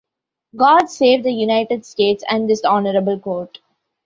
God save the United States and this Honorable Court.